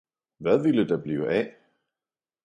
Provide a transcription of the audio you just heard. hvad ville der blive af.